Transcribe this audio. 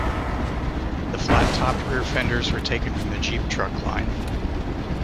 The flat-topped rear fenders were taken from the Jeep truck line.